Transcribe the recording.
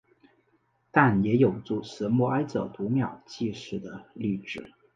但也有主持默哀者读秒计时的例子。